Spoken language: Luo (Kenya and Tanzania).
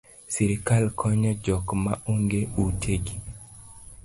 Sirkal konyo jok ma onge ute gi